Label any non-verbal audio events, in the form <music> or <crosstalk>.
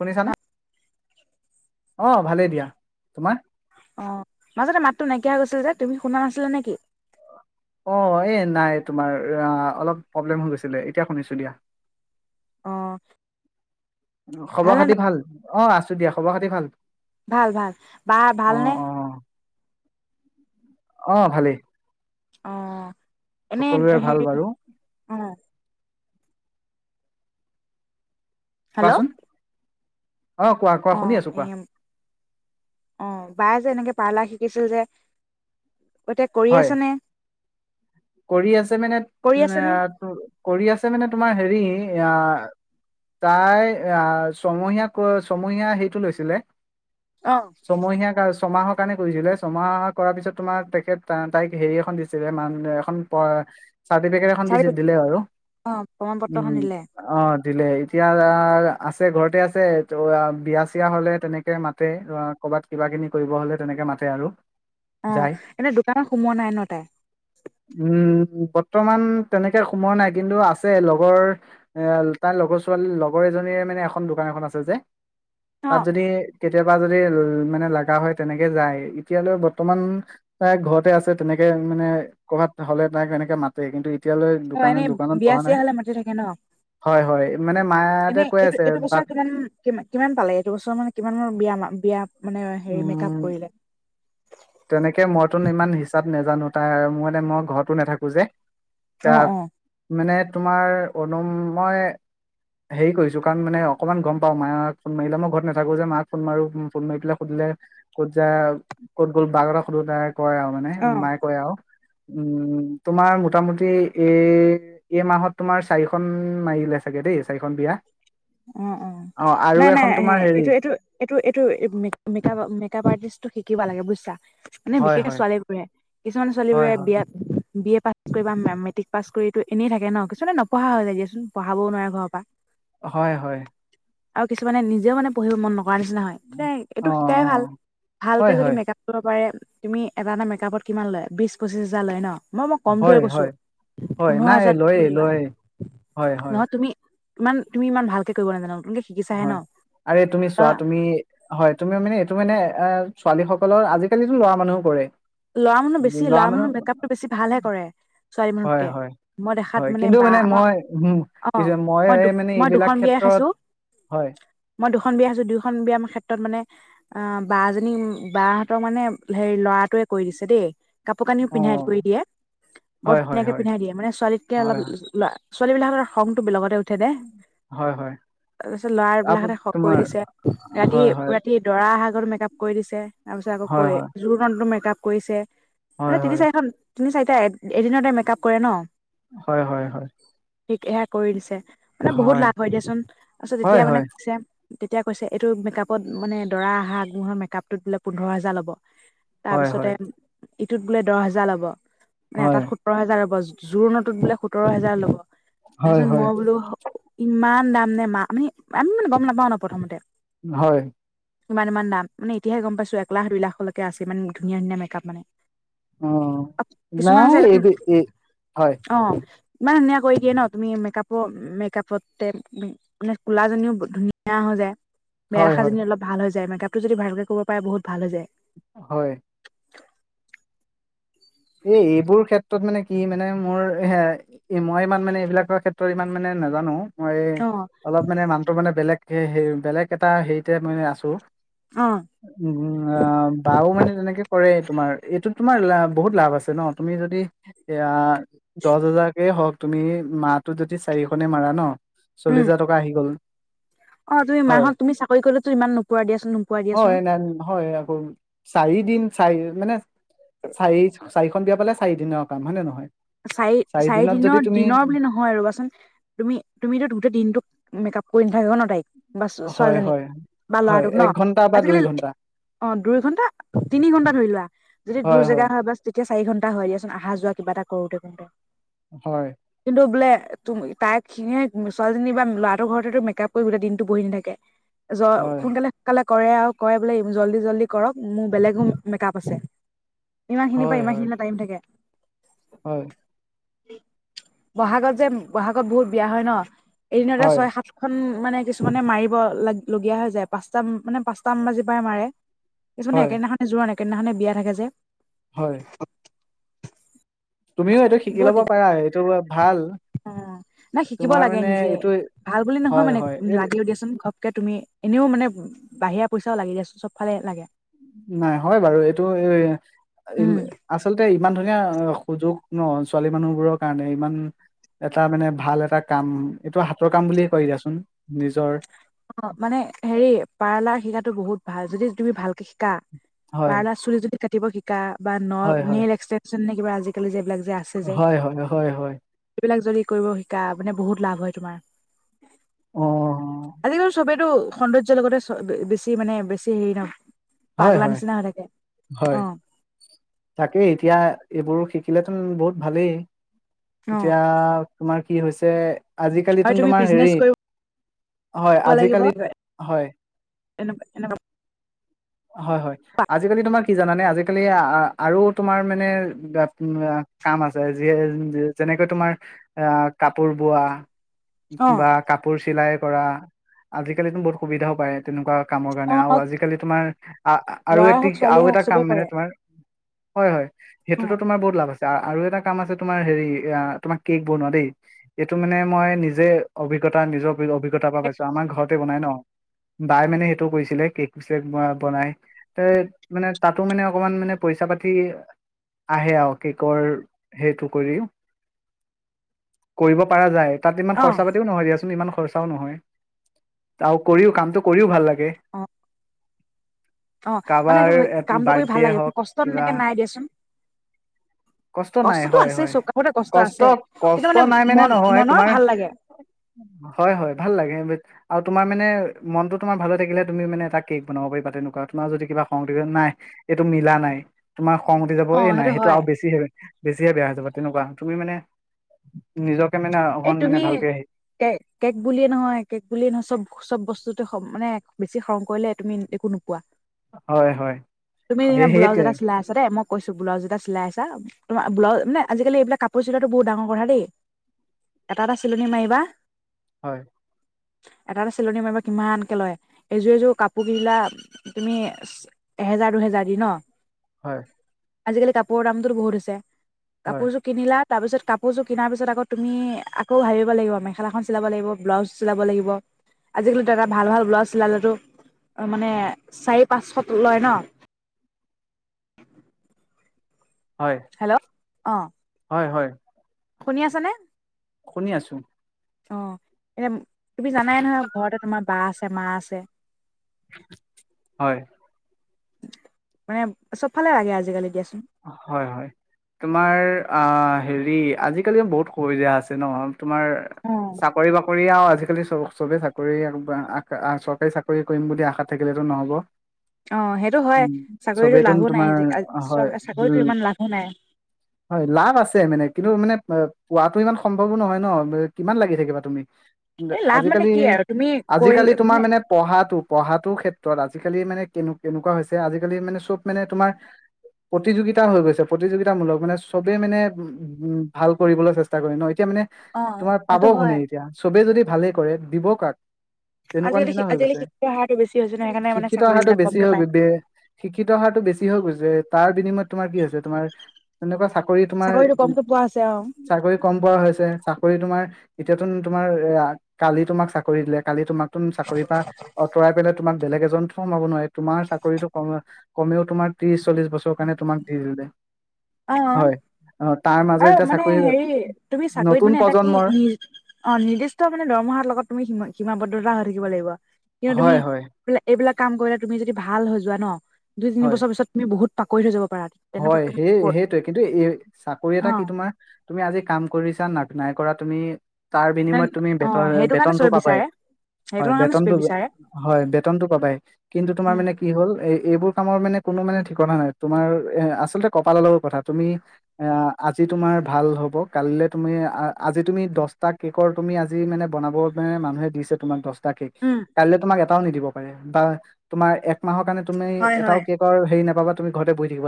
শুনিছানে? অ ভালেই দিয়া, তোমাৰ? অ মাজতে মাতটো নাইকিয়া হৈ গৈছিল যে তুমি শুনা নাছিলা নেকি? অ এ নাই তোমাৰ অলপ প্ৰব্লেম হৈ গৈছিলে, এতিয়া শুনিছো দিয়া। অ', খবৰ ভালনে খাতি ভাল। অ আছো দিয়া খবৰ খাতি ভাল? ভাল ভাল বা ভালনে? অ', অ', অ ভালেই। অ। সকলোৰে এনেই ভাল হেৰি বাৰু। আহ। হেল্ল' কোৱাচোন অ কোৱা কোৱা শুনি অ', আছো এ কোৱা অ', বায়ে যে এনেকে পাৰ্লা শিকিছিল যে এতিয়া কৰি হয় আছ নে? কৰি আছে মানে, কৰি আছে নে? এ কৰি আছে মানে তোমাৰ হেৰি এ তাই আহ ছমহীয়া ক ছমহীয়া সেইটো লৈছিলে। অ', ছমহীয়াক আৰু ছমাহত। কাৰণে কৰিছিলে ছমাহ কৰাৰ পিছত তোমাৰ তেখেত তাইক হেৰি এখন দিছিলে মানহ প চাৰটিফিকেট এখন চাৰি দিছে দিলে বাৰু অ', প্ৰমাণ পত্ৰখন উম দিলে অ। দিলে এতিয়া আছে ঘৰতে আছে ত বিয়া চিয় হলে তেনেকে মাতে ক'ৰবাত কিবা কিনি কৰিব হলে তেনেকে মাতে আৰু অ যায় এনেই দোকানত সোমোৱা নাই ন তাই? উম বৰ্তমান তেনেকে সোমোৱা নাই কিন্তু আছে লগৰ এ তাৰ লগৰ ছোৱালী লগৰ এজনীৰ মানে এখন দোকান এখন আছে যে। তাত অ', যদি কে কেতিয়াবা যদি মানে লগা হয় তেনেকে যায় এতিয়ালৈ বৰ্তমান ঘৰতে আছে তেনেকে মানে ক'ৰবাত হ'লে তাইকেনেকে মাতে, কিন্তু এতিয়ালৈ অ দোকান এনেই দোকানত বিয়া বহা চিয়া নাই হলে মাতি থাকে ন? হয় হয় মানে মায়াতে এনে কৈ এইটো আছে এইটো বছৰ বাট কিমান কি কিমান পালে এইটো বছৰ মানে কিমান মান বিয়া বিয়া মানে হেৰি মেক আপ উম কৰিলে? তেনেকে মইতো ইমান হিচাপ নাজানো তাই আৰু মইে মই ঘৰতো নাথাকো যে। অ', তাক অ', মানে তোমাৰ অনুম মই হেৰি কৰিছো কাৰণ মানে অকমান গম পাওঁ মাক ফোন মাৰিলে মই ঘৰত নাথাকো যে মাক ফোন মাৰো ফোন মাৰি পেলাই সুধিলে ক'ত যা ক'ত গ' বাাগৰা সনু নায়ক কয় আও মানে অ'। মায়ে কয় আও। উম তোমাৰ মোটামুটি এই এই মাহত তোমাৰ চাৰিখন মাৰিলে চাগে দেই চাৰিখন বিয়া। অ অ আৰু নাই নাই এখন তোমাৰ হেৰি এইটো এইটো এইটো এইটো মেকাপ মেকাপ আৰ্টিছটো শিক কিবা লাগে বুজিছা। মানে হয় বিশেষে হয় ছোৱালীবোৰে কিছুমান হয় ছোৱালীবোৰে হয় বিয়াত বি এ পাছ কৰি মেট্ৰিক পাছ কৰিতো এনেই থাকে ন কিছুমানে নপঢ়া হৈ যায় দিয়চোন পঢ়াবও নোৱাৰে ঘৰৰ পৰা। হয় হয় আৰু কিছুমানে নিজেও মানো পঢ়িব মন নকৰে। কৰ নিচিনা হয় তে অ অ এইটো শিকাই ভাল ভালকে হয় যদি হয় মেকআপ কৰিব পাৰে। তুমি এটা এটা মেকআপত কিমান লয় বিশ পঁচিশ হাজাৰ লয় ন। মই মই কম দৰে হয় কৈছো হয় হয় পোন্ধৰ নাই হাজাৰ লয়ে লোৱা লয়ে হয়, হয়, নহয় তুমি ইমান তুমি ইমান ভালকে কৰিব নাজানা নতুনকে শিকিছাহে হয় ন আৰে তুমি চোৱা তুমি হয় তুমি মানে এইটো মানে অঁ ছোৱালীসকলৰ আজিকালিতো লৰা মানুহো কৰে। ল'ৰা মানুহ বেছি ল'ৰা মানুহৰ মেকআপটো বেছি ভালহে কৰে। ছোৱালী হয় মানুহতকে হয় মই দেখাত হয় কিন্তু বা মানে আমাৰ মই উ অ কিছ মই দু এই মানে মই এইবিলাক দুখন বিয়াই ক্ষেত্ৰত খাইছো হয়। মই দুখন বিয়া খাইছো দুয়োখন বিয়া ক্ষেত্ৰত মানে বা জনী বাহহঁতৰ মানে হেৰি ল'ৰাটোৱে কৰি আছে দেই কাপোৰ কানিও পিন্ধাই কৰি অ', দিয়ে বৰ হয়, হয়, ধুনীয়াকে হয়। পিন্ধাই দিয়ে মানে ছোৱালীতকে অলপ হয়, ছোৱালী বিলাকৰ খংটো অলপতে উঠে যে হয়, হয়। তাৰপিছত লৰা আপো বিলাকতে শ কৰি তোমাৰ দিছে ৰাতি হয়, হয়, ৰাতি দৰা অহাগতো মেকআপ কৰি দিছে তাৰপিছত আকৌ হয়, কৰি হয়, জোৰণ যোৰ মেকআপ। কৰিছে হয়, মানে তিনি হয়, চাৰিখন। তিনি চাৰিটা এদিনতে মেকআপ কৰে ন। হয়, হয়, হয়। ইয়াক সেয়া কৰি দিছে মানে বহুত লাভ হয় দিয়াচোন তাৰপিছত হয়, এতিয়া মানে হয়, কৈছে। তেতিয়া কৈছে এইটো মেকআপত মানে দৰা অহা আগবঢ়া মেকআপটোত বোলে পোন্ধৰ হাজাৰ ল'ব। হয় তাৰপিছতে হয় ইটোত বোলে দহ হাজাৰ ল'ব। মানে হয়, এটাত সোতৰ হাজাৰৰ জোৰণটোত বোলে সোতৰ হাজাৰ ল'ব। তাৰ হয়, পিছত হয়, মই বোলো। ইমান দাম নে মা আমি আমি মানে গম নাপাওঁ ন প্ৰথমতে। হয় ইমান ইমান দাম মানে এতিয়া গম পাইছো একলাখ দুইলাখলৈকে আছে ইমান ধুনীয়া ধুনীয়া মেকআপ। মেকআপ মানে অঁ কিছুমান নাই যে এই এই হয় অ ইমান ধুনীয়া কৰি দিয়ে ন তুমি মেকআপো মেকআপতে মানে কলাজনীও ধুনীয়া হৈ যায়। বেয়া হয়, হয়, দেখাজনীও অলপ ভাল হৈ যায়। মেকআপতটো যদি ভালকে কৰিব পাৰে বহু ভাল হৈ যায়। হয় এ এইবোৰ ক্ষেত্ৰত ক্ষত মানে কি মানে মোৰ মই ইমান মানে এইবিলাকৰ ক্ষেত্ৰত ইমান মানে নাজানো মই এই অ'। অলপ মানে নামটো মানে বেলেগ হে হে বেলেগ এটা হেৰিতে মই আছো অ', উ বাউ মানে তেনেকে কৰে তোমাৰ এইটো তোমাৰ লাভ বহুত লাভ আছে ন তুমি যদি এ দহ হাজাৰকেই হওঁক তুমি মাহটো যদি চাৰিখনি মাৰা ন চল্লিশ উম, হাজাৰ টকা আহি গল অ তুমি হয় মাহত তুমি চাকৰি কৰিলেতো ইমান নোপোৱা দিয়াচোন নোপোৱা হয় দিয়াচোন ন হয় আকৌ চাৰি দিন চাৰি দিনত মানে চাৰি চাৰিখন বিয়া পালে চাৰিদিনৰ কাম হয় নে নহয় চাৰি চাৰি দিনত যদি দিনৰ তুমি দিনৰ বুলি নহয় ৰবাচোন তুমি তুমিতো গোটেই দিনটোক মেকআপ কৰি ন থাকে ন তাইক বা হয় ছোৱালীজনীক হয় বা হয় ল'ৰাটোক ন এক ঘন্টা বা দুই আজিকালি ঘন্টা অ দুই ঘণ্টা তিনি ঘন্টা ধৰি লোৱা যদি দূৰ জেগা হয় বা এতিয়া চাৰি ঘণ্টা হয় দিয়াচোন আহা যোৱা কিবা এটা কৰোঁতে কৰোঁতে হয় তোৰ বোলে তাই খিনিয়ে ছোৱালীজনী বা ল'ৰাটোৰ ঘতে মেকআপ কৰিবোলে দিনটো বহি নাথাকে যই হয় সোনকালে কালে কৰে আৰু কৰে বোলে জল্ডি জল্ডি কৰক মোৰ বেলেগো মেক আপ আছে ইমান খিনি হয় পায় ইমান হয় খিনি টাইম থাকে হয় বহাগত যে বহাগত বহুত বিয়া হয় ন এদিনতে হয় ছয় সাতখন মানে কিছুমানে মাৰিব লাগ লগিয়ীয়া হৈ যায় পাঁচটা মানে পাঁচটামান বাজি পৰাই মাৰে কিছুমানে হয় একেদিনাখনে যোৰোৱা নেক সেইদিনাখনে বিয়া থাকে যে হয় তুমিও এইটো শিকি বহুত লব দিগদাৰ পাৰা এইটো ভাল অ নাই শিকিব তোমাৰ লাগে মানে নিজে এইটো ভাল বুলি নহয় হয় মানে হয় এই লাগিলও দিয়াচোন ঘ ঘপকে তুমি এনেও মানে বাহিৰা পইচাও লাগি চব ফালে লাগে নাই হয় বাৰু এইটো এই উম। আচলতে এই ইমান ধুনীয়া সুযোগ ন ছোৱালী মানুহবোৰৰ কাৰণে ইমান এটা মানে ভাল এটা কাম এইটো হাতৰ কাম বুলিয়ে কয় দিয়াচোন নিজৰ অ মানে হেৰি পাৰ্লাৰ শিৰাত। বহুত ভাল যদি তুমি ভালকে শ। কা হয় পাৰ্লাৰ চুলি টুলি কাটিব। পাতিব শিকা। বা নল হয় হয় নিৰ এক্সেল। জানানে কিবা আজিকালি যে ইবিলাক। হয় হয় হয় হয়। বিলাক যদি কৰিব শিকা মানে বহুত লাভ হয় তোমাৰ। অ। আজিকালি চবেই। এইটো সৌন্দৰ্য্য লগতে বেছি মানে বেছি হেৰি নহ। হয় পাগলা হয় নিচিনা হৈ থাকে হয় অ। তাকেই এতিয়া এইবোৰ শিকিলেতো বহুত ভালেই। অ এতিয়া তোমাৰ। কি হৈছে। আৰু আজিকালিচোন তুমি তোমাৰ বিজনেচ হেৰি কৰিব হয় লাগিব আজিকালিত হয়। এনেকুৱা এনেকুৱা হয় হয় আজিকালি তোমাক। কি জানানে আজিকালি আহ। আৰু তোমাৰ মানে বাট কাম আছে যিয়ে যেনেকৈ তোমাৰ আহ কাপোৰ বোৱা। অ বা কাপোৰ চিলাই। কৰা আজিকালিতো বহুত সুবিধাও পায় তেনেকুৱা। কামৰ কাৰণে আৰু অ আজিকালি তোমাৰ আৰু ল'ৰাই এটি হওক এটা আৰু ছোৱালীয়ে হওক এটা কাম চবে মানে কৰে তোমাৰ। হয় হয় অ সেইটোতো তোমাৰ বহুত লাভ আছে আৰু এটা কাম আছে তোমাৰ হেৰি তোমাৰ কেক বনোৱা দেই এইটো মানে মই নিজে অভিজ্ঞতা নিজৰ অভিজ্ঞতাৰ পৰা পাইছো আমাৰ ঘৰতে বনাই ন বাই মানে সেইটো কৰিছিলে কেক চেক বনাই ত মানে তাতো মানে অকমান মানে। পইচা পাতি আহে আৰু কেকৰ সেইটো কৰি কৰিব পৰা যায়। তাত ইমান অ খৰচা পাতিও নহয় দিয়াচোন ইমান। খৰচাও নহয় আৰু কৰিও কামটো কৰিও ভাল লাগে। <inaudible> অ অ মানে কাৰোবাৰ এইটো কামটো কৰি ভাল বাৰ্থডে লাগে হওক কষ্ট। তত কিবা এক নাই দিয়াচোন। কষ্ট নাই কষ্টটো হয় আছে হয় চব কামতে কষ্ট আছে কিন্তু কষ্ট নাই মানে মন নহয় মনৰ তোমাৰ ভাল লাগে হয় হয় ভাল লাগে। আৰু তোমাৰ মানে মনতো তোমাৰ ভালে থাকিলে তুমি মানে এটা কেক বনাব পাৰিবা তেনেকুৱা তোমাৰ যদি কিবা খং উঠে নাই এইটো মিলা নাই তোমাৰ। কম উঠি যাব অ এই নাই সেইটো হয় আৰু বছি। বেছিহে বেয়া হৈ যাব তেনেকুৱা তুমি মানে নিজৰ। এই তুমি কে কেক বুলিয়ে নহয়, কেক বুলিয়ে নহয় চব চব বস্তুতে মানে। বেছি খং কৰিলে তুমি একো নোপোৱা। হয় হয় তুমি যেনিবা সেই ব্লাউজ সেইটোৱে এটা চিলাই আছা দে মই কৈছো ব্লাউজ এটা চিলাই আছা, তোমাৰ ব্লাউ মানে, আজিকালি এইবিলাক কাপোৰ চিলাতো বহুত ডাঙৰ কথা দেই এটা এটা চিলনী মাৰিবা। হয়। এটা এটা চিলনি মাৰিবা কিমানকে লয়, এইযোৰ এযোৰ কাপোৰ কিলা তুমি এহেজাৰ দুহেজাৰ দি ন? হয় আজিকালি কাপোৰৰ দামটো বহুত হৈছে। হয় কাপোৰযোৰ কিনিলা। তাৰ পিত কাপোৰ কিনাৰ পিছ আকৈ। তুমি আকৌ ভাবিব লাগিব মেখেলাখন চিলাব লাগিব, ব্লাউজ চিলাব লাগিব। আজিকালিত দাদা ভাল ভাল ব্লাউজ চিলালতো মানে চাৰি পাঁচশত লয় ন। হয় হেল্ল' অ হয়। শুনি আছ নে? শুনি আছো। অ, এয়া তুমি জানাই নহয় ঘৰতে তোমাৰ বা আছে মা আছে। হয়। মানে। চবফালে লাগে আজিকালি। দিয়াচোন হয় হয়, তোমাৰ আ। হেৰি আজিকালি বহুত সুবিধা আছে নহয়। তোমাৰ অ চাকৰি বাকৰিওজি। আজিকালি চবে চাকৰি চৰকাৰী, চাকৰি কৰিম বুলি আশা থাকিলেতো নহব। অ, সেইটো হয় চাকৰিতো লাভো নাই ' অ হয়, উ হয় লাভ আছে মানে কিন্তু। মানে পোৱাতো ইমান সম্ভৱো নহয় ন, কিমান লাগি থাকিবা তুমি। এই লাভ মানে আজিকালি কি আৰু তুমি কৰিল আজিকালি তোমাৰ মানে, পঢ়াতো। পঢ়াটো ক্ষেত্ৰত আজিকালি মানে কেনে কেনেকুৱা হৈছে, আজিকালি মানে চব মানে তোম প্ৰতিযোগিতা হৈ গৈছে, প্ৰতিযোগিতামূলক মানে চবেই মানে উম ভাল কৰিবলৈ চেষ্টা কৰে ন। এতিয়া মানে অ তোমাৰ পাব সেইটো হয় কোনে, এতিয়া চবে যদি ভালে কৰে। দিবকাক? তেনেকুৱা আজিকালি নিচিনা হৈ আজিকালি গৈছে শিক্ষাৰ হাৰটো বেছি হৈছে ন সেইকাৰণে মানে শিক্ষিত অহাৰটো চাকৰিবিলাক বেছি কমকে হৈ পায় গৈ শিক্ষিত অহাৰটো বেছি হৈ গৈছে। <unintelligible> চাকৰি, তোমাৰ চাকৰিটো কমকে পোৱা হৈছে অ চাকৰি কম পোৱা হৈছে চাকৰি তোমাৰ। এতিয়াতো তোমাৰ, এ কালি তোমাক চাকৰি দিলে কালি তোমাক। তুমি চাকৰি পৰা, অঁতৰাই পেলাই তোমাৰ। বেলেগ এজন সোমাব নোৱাৰে, তোমাৰ চাকৰিত ক কমেও তোাৰ ত্ৰশ চল্লিশ বছৰ। কাৰণে তোমাক দি দিলে। অ হয় অ। তাৰ মাজত আৰু এতিয়া মানে চাকৰি হেৰি তুমি চাকৰিত নতুন মানে এটা কি প্ৰজন্মৰ নি অ নিৰ্দিষ্ট মানে দৰমহাৰ লগত তুমি সীমাবদ্ধতা হৈছিল। দিব লাগিব। ক তুমি হয় হয় এইবিলাক এইবিলাক কাম কৰিলে তুমি যদি ভাল হৈ যোৱা ন দু হয় তিনিছৰ পিছ তুমি বহুত পাকৰিত হৈ যাবা। হয় সেই সেইটোৱে কিন্তু এই চাক কৰি এটা অ কি তোমাৰ তুমি আজি কাম কৰিছা নাই নাই কৰা তুমি তাৰ বিনিময়ত তুমি অ বেতন সেইটো কাৰণে বেতনতটো চবে পাবাই বিচাৰে সেইটো হয় কাৰণে চবে বেতনতটো বিচাৰে হয় বেতনতটো পাবাই কিন্তু তোমাৰ উম মানে কি হ'ল এই এইবোৰ কামৰ মানে কোনো মানে ঠিকনা নাই তোমাৰ এ আচলতে কপাল লগৰ কথা তুমি এ আজি তোমাৰ ভাল হ'ব কালিলে তুমি আজি তুমি দহটা কেকৰ তুমি আজি মানে বনাব মানে মানুহে দিছে তোমাক বস্তু তাকেই উম কাললৈ তোমাক ও নিদিব পাৰে বা তোমাৰ একমাহৰ কাৰণে তুমি হয় এটাও হয় কেইবাৰ হেৰি নাপাবা। তুমি ঘৰতে বহি থাকিব লাগিব।